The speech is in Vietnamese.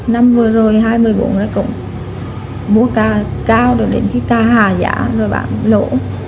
năm vừa rồi hai mươi bốn ngày cũng mua cao đến khi ca hà giả rồi bà lỗ